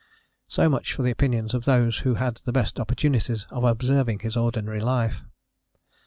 So much for the opinions of those who had the best opportunities of observing his ordinary life.